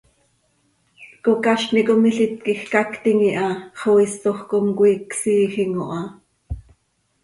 Cocazni com ilít quij cactim iha xo isoj com cói csiijim oo ha.